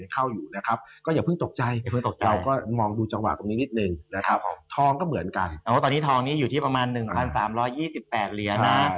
การอยากให้มองอย่างนี้